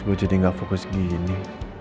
gue jadi gak fokus gini